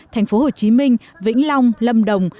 thành phố hồ chí minh vĩnh long lâm đồng